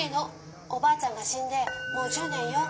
おばあちゃんがしんでもう１０年よ。